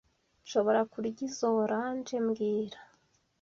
Nshobora kurya izoi orange mbwira